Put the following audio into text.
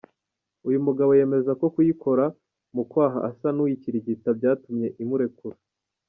Uyu mugabo yemeza ko kuyikora mu kwaha asa n’uyikirigita, byatumye imurekura.